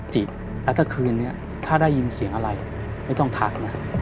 จริงแล้วถ้าคืนนี้ถ้าได้ยินเสียงอะไรไม่ต้องทักนะ